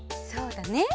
そうだね。